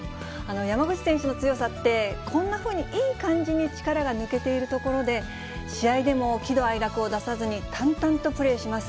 山口選手の強さって、こんなふうにいい感じに力が抜けているところで、試合でも喜怒哀楽を出さずに、淡々とプレーします。